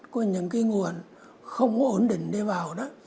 của những cái nguồn không ổn định để vào đó